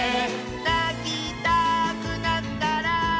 「なきたくなったら」